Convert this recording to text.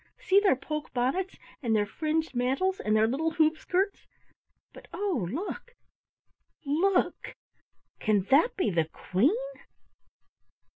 See their poke bonnets, and their fringed mantles, and their little hoop skirts, but, oh, look, look, can that be the Queen?"